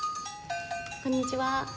こんにちは。